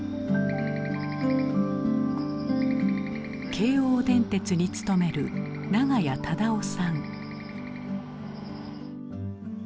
京王電鉄に勤める長屋忠男さん。